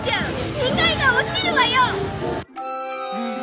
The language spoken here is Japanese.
２階が落ちるわよ！はあ